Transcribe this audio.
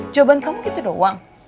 jawaban kamu gitu doang